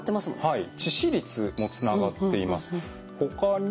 はい。